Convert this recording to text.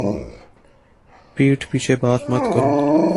پِیٹھ پیچھے بات مت کرو